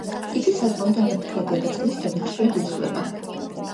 იგი საკმაოდ არამდგრადია და წყლის დონე ხშირად იცვლება.